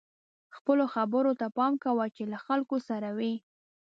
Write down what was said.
خپلو خبرو ته پام کوه چې له خلکو سره وئ.